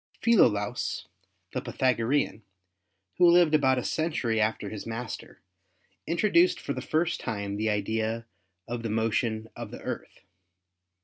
Philolaus, the Pythagorean, who lived about a century after his master, introduced for the first time the idea of the motion of the Earth.